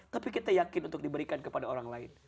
tapi kita yakin untuk diberikan kepada orang lain